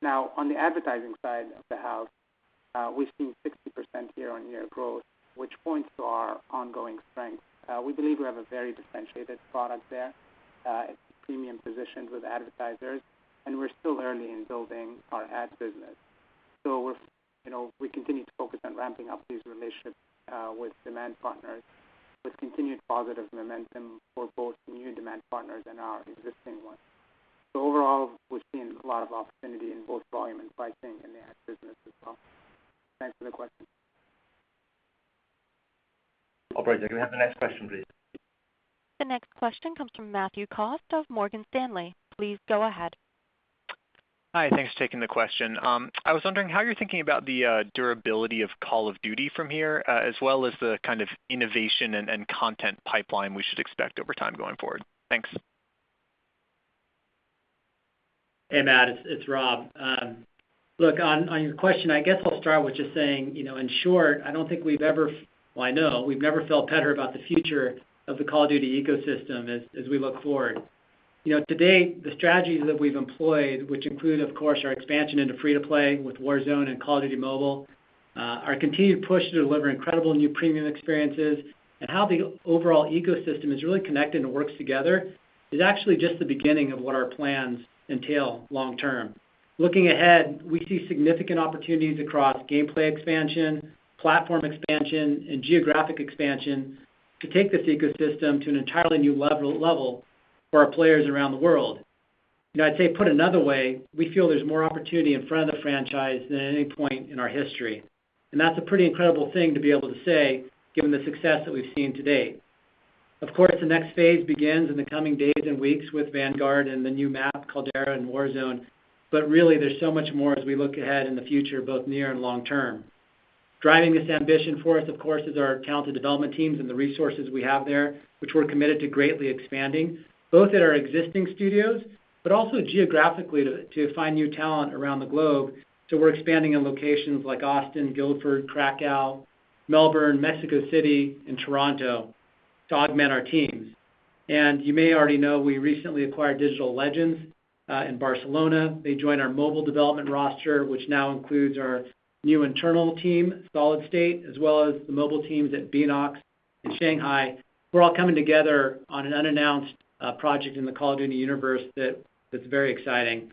Now, on the advertising side of the house, we've seen 60% year-on-year growth, which points to our ongoing strength. We believe we have a very differentiated product there. It's premium positioned with advertisers, and we're still early in building our ad business. You know, we continue to focus on ramping up these relationships with demand partners with continued positive momentum for both new demand partners and our existing ones. Overall, we're seeing a lot of opportunity in both volume and pricing in the ad business as well. Thanks for the question. Operator, can we have the next question, please? The next question comes from Matthew Cost of Morgan Stanley. Please go ahead. Hi. Thanks for taking the question. I was wondering how you're thinking about the durability of Call of Duty from here, as well as the kind of innovation and content pipeline we should expect over time going forward. Thanks. Hey, Matt, it's Rob. Look, on your question, I guess I'll start with just saying, you know, in short, I don't think we've ever. Well, I know we've never felt better about the future of the Call of Duty ecosystem as we look forward. You know, to date, the strategies that we've employed, which include, of course, our expansion into free-to-play with Warzone and Call of Duty: Mobile, our continued push to deliver incredible new premium experiences and how the overall ecosystem is really connected and works together is actually just the beginning of what our plans entail long term. Looking ahead, we see significant opportunities across gameplay expansion, platform expansion, and geographic expansion to take this ecosystem to an entirely new level for our players around the world. You know, I'd say put another way, we feel there's more opportunity in front of the franchise than any point in our history. That's a pretty incredible thing to be able to say given the success that we've seen to date. Of course, the next phase begins in the coming days and weeks with Vanguard and the new map, Caldera and Warzone. Really, there's so much more as we look ahead in the future, both near and long term. Driving this ambition for us, of course, is our talented development teams and the resources we have there, which we're committed to greatly expanding, both at our existing studios, but also geographically to find new talent around the globe. We're expanding in locations like Austin, Guildford, Krakow, Melbourne, Mexico City, and Toronto to augment our teams. You may already know, we recently acquired Digital Legends in Barcelona. They join our mobile development roster, which now includes our new internal team, Solid State, as well as the mobile teams at Beenox in Shanghai. We're all coming together on an unannounced project in the Call of Duty universe that's very exciting.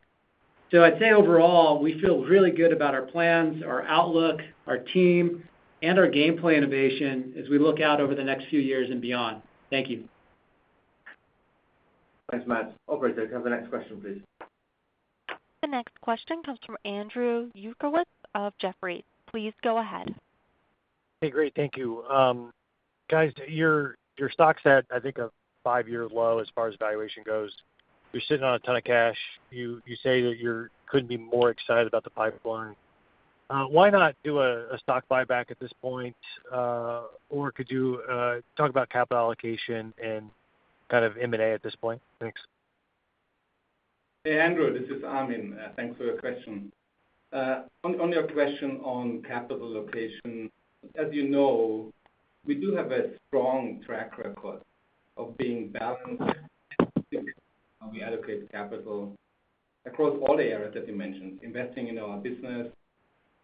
I'd say overall, we feel really good about our plans, our outlook, our team, and our gameplay innovation as we look out over the next few years and beyond. Thank you. Thanks, Matt. Operator, can we have the next question, please? The next question comes from Andrew Uerkwitz of Jefferies. Please go ahead. Hey, great. Thank you. Guys, your stock's at, I think, a five-year low as far as valuation goes. You're sitting on a ton of cash. You say that you couldn't be more excited about the pipeline. Why not do a stock buyback at this point? Could you talk about capital allocation and kind of M&A at this point? Thanks. Hey, Andrew, this is Armin. Thanks for your question. On your question on capital allocation, as you know, we do have a strong track record of being balanced how we allocate capital across all the areas that you mentioned, investing in our business,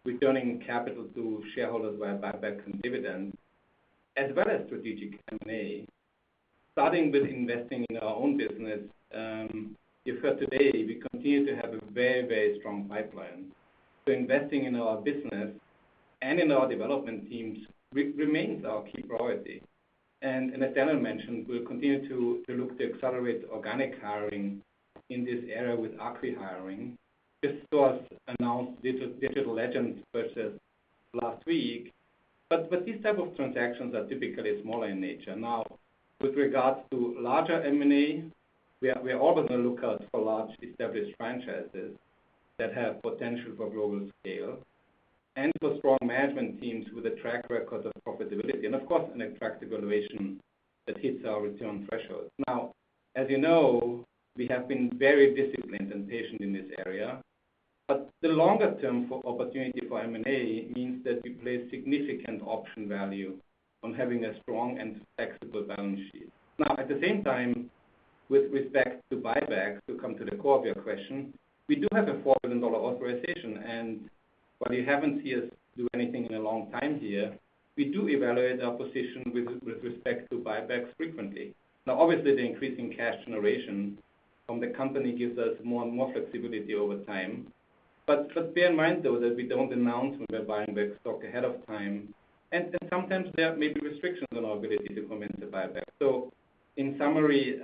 returning capital to shareholders via buyback and dividends, as well as strategic M&A. Starting with investing in our own business, you heard today, we continue to have a very, very strong pipeline. Investing in our business and in our development teams remains our key priority. As Daniel mentioned, we'll continue to look to accelerate organic hiring in this area with acqui-hiring. This was announced Digital Legends purchase last week, but with these type of transactions are typically smaller in nature. Now, with regard to larger M&A, we are always on the lookout for large established franchises that have potential for global scale and for strong management teams with a track record of profitability and of course, an attractive valuation that hits our return threshold. Now, as you know, we have been very disciplined and patient in this area. The longer term for opportunity for M&A means that we place significant option value on having a strong and flexible balance sheet. Now, at the same time, with respect to buybacks, to come to the core of your question, we do have a $4 billion authorization. While you haven't seen us do anything in a long time here, we do evaluate our position with respect to buybacks frequently. Now, obviously, the increasing cash generation from the company gives us more and more flexibility over time. Bear in mind, though, that we don't announce when we're buying back stock ahead of time. Sometimes there may be restrictions on our ability to commence a buyback. In summary,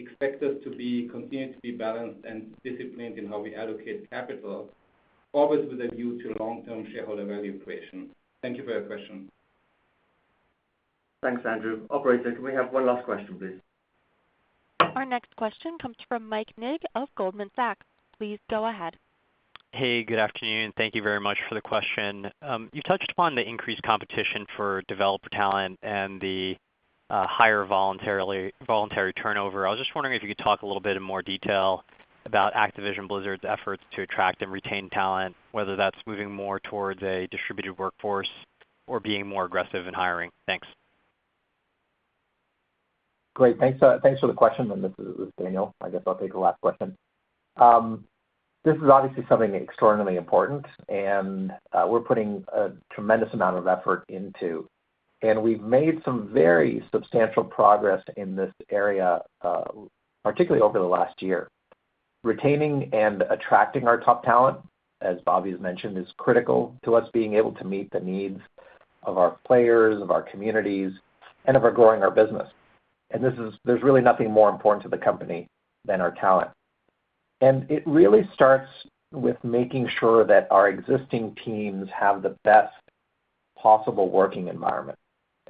expect us to continue to be balanced and disciplined in how we allocate capital, always with a view to long-term shareholder value creation. Thank you for your question. Thanks, Andrew. Operator, can we have one last question, please? Our next question comes from Mike Ng of Goldman Sachs. Please go ahead. Hey, good afternoon. Thank you very much for the question. You touched upon the increased competition for developer talent and the higher voluntary turnover. I was just wondering if you could talk a little bit in more detail about Activision Blizzard's efforts to attract and retain talent, whether that's moving more towards a distributed workforce or being more aggressive in hiring. Thanks. Great. Thanks, thanks for the question. This is Daniel. I guess I'll take the last question. This is obviously something extraordinarily important, and we're putting a tremendous amount of effort into. We've made some very substantial progress in this area, particularly over the last year. Retaining and attracting our top talent, as Bobby has mentioned, is critical to us being able to meet the needs of our players, of our communities, and of our growing our business. There's really nothing more important to the company than our talent. It really starts with making sure that our existing teams have the best possible working environment.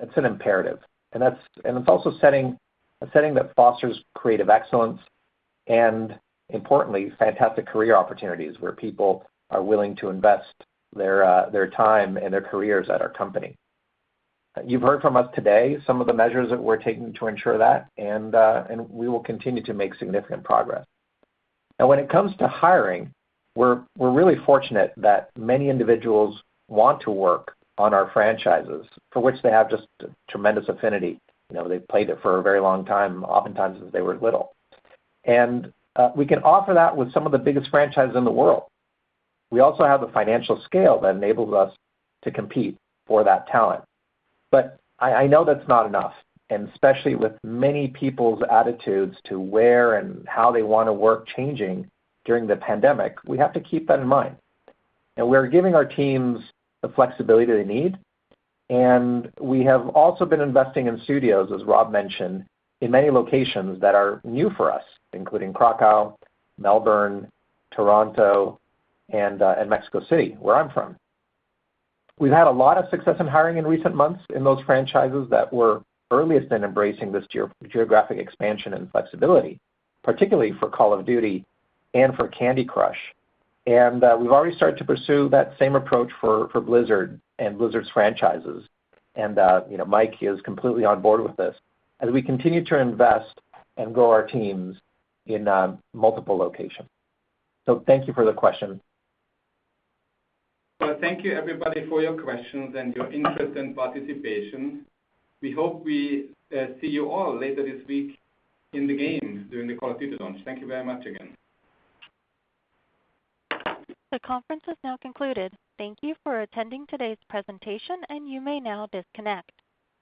It's an imperative. It's also a setting that fosters creative excellence and importantly, fantastic career opportunities where people are willing to invest their time and their careers at our company. You've heard from us today some of the measures that we're taking to ensure that, and we will continue to make significant progress. Now, when it comes to hiring, we're really fortunate that many individuals want to work on our franchises for which they have just tremendous affinity. You know, they've played it for a very long time, oftentimes since they were little. We can offer that with some of the biggest franchises in the world. We also have the financial scale that enables us to compete for that talent. But I know that's not enough and, especially with many people's attitudes to where and how they want to work changing during the pandemic, we have to keep that in mind. We're giving our teams the flexibility they need. We have also been investing in studios, as Rob mentioned, in many locations that are new for us, including Krakow, Melbourne, Toronto, and Mexico City, where I'm from. We've had a lot of success in hiring in recent months in those franchises that were earliest in embracing this geographic expansion and flexibility, particularly for Call of Duty and for Candy Crush. We've already started to pursue that same approach for Blizzard and Blizzard's franchises. You know, Mike is completely on board with this as we continue to invest and grow our teams in multiple locations. Thank you for the question. Well, thank you, everybody, for your questions and your interest and participation. We hope we see you all later this week in the games during the Call of Duty launch. Thank you very much again. The conference has now concluded. Thank you for attending today's presentation, and you may now disconnect.